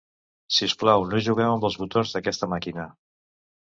Si us plau, no jugueu amb els botons d'aquesta màquina.